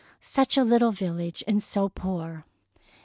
Such a little village, and so poor!